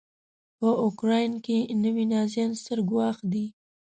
په اوکراین کې نوي نازیان ستر ګواښ دی.